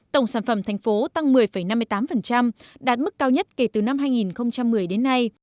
tổng sản phẩm thành phố tăng một mươi năm mươi tám đạt mức cao nhất kể từ năm hai nghìn một mươi đến nay